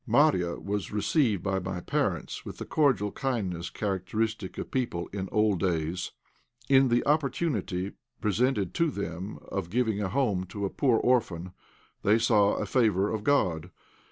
Marya was received by my parents with the cordial kindness characteristic of people in old days. In the opportunity presented to them of giving a home to a poor orphan they saw a favour of God.